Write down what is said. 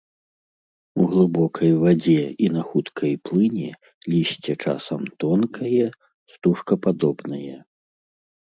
У глыбокай вадзе і на хуткай плыні лісце часам тонкае, стужкападобнае.